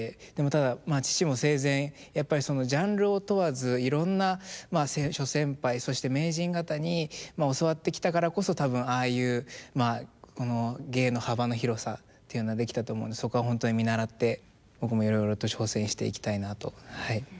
ただ父も生前やっぱりジャンルを問わずいろんな諸先輩そして名人方に教わってきたからこそ多分ああいう芸の幅の広さというのはできたと思うのでそこは本当に見習って僕もいろいろと挑戦していきたいなとはい思います。